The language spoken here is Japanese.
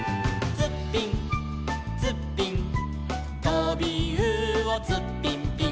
「ツッピンツッピン」「とびうおツッピンピン」